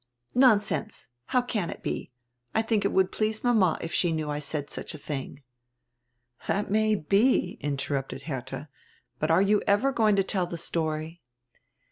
"Nonsense. How can it be? I diink it would please mama if she knew I said such a tiling." "That may be," interrupted Heitha. "But are you ever going to tell the story?"